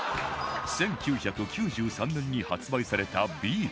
１９９３年に発売されたビーダマン